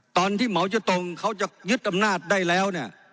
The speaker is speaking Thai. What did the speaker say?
ตอนที่หมออยุธงเขาจะยึดอำนาจได้แล้ว